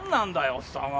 おっさんは。